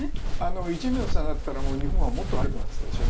イ・ジェミョンさんなら日本はもっと悪くなっていたでしょうね